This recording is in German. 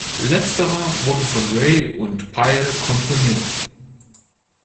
Letzterer wurde von Rye und Pyle komponiert.